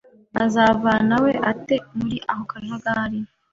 azavanawe ate muri ako kajagari?